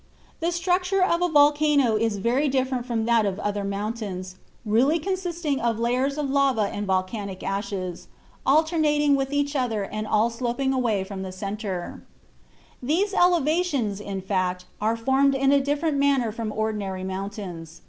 The structure of a volcano is very different from that of other mountains, really consisting of layers of lava and volcanic ashes, alternating with each other and all sloping away from the center. These elevations, in fact, are formed in a different manner from ordinary mountains.